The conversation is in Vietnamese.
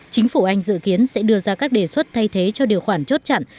chính phủ anh dự kiến sẽ đưa ra các đề xuất thay thế cho điều khoản chốt chặn